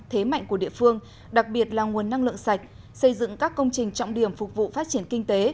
thế mạnh của địa phương đặc biệt là nguồn năng lượng sạch xây dựng các công trình trọng điểm phục vụ phát triển kinh tế